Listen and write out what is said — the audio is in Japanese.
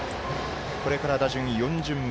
これから打順４巡目。